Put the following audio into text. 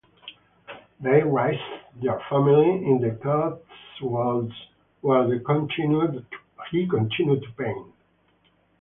They raised their family in the Cotswolds, where he continued to paint.